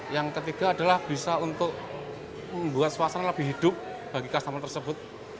yang ketiga adalah bisa untuk membuat suasana lebih hidup bagi customer tersebut